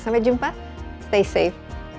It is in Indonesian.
sampai jumpa stay safe